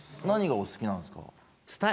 何がお好きなんですか？